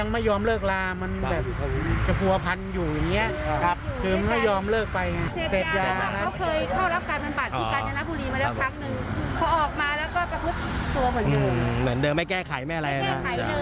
เหมือนเดิมไม่แก้ไขไม่อะไรเลย